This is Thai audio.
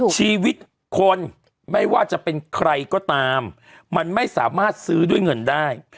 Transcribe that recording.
ชีวิตคนไม่ว่าจะเป็นใครก็ตามมันไม่สามารถซื้อด้วยเงินได้